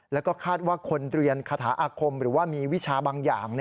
แล้วก็คาดว่าคนเรียนคาถาอาคมหรือว่ามีวิชาบางอย่าง